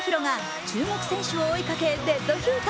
松元克央が中国選手を追いかけ、デッドヒート。